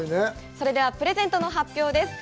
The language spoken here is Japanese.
それではプレゼントの発表です。